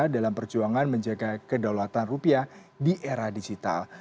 dalam perjuangan menjaga kedaulatan rupiah di era digital